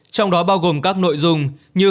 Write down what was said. trong đó bao gồm các nội dung như